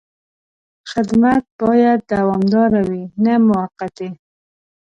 خدمت باید دوامداره وي، نه موقتي.